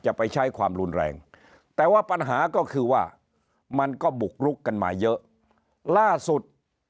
จะไปใช้ความรุนแรงแต่ว่าปัญหาก็คือว่ามันก็บุกลุกกันมาเยอะล่าสุด